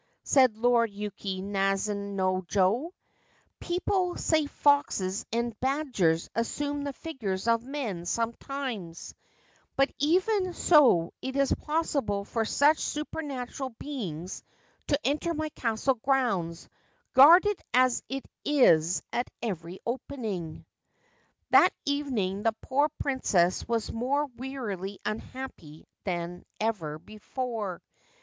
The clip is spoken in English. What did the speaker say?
' said Lord Yuki Naizen no jo. ' People say foxes and badgers assume the figures of men sometimes ; but even so it is impossible for such supernatural beings to enter my castle grounds, guarded as it is at every opening/ That evening the poor Princess was more wearily unhappy than ever before.